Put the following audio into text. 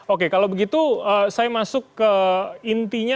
oke kalau begitu saya masuk ke intinya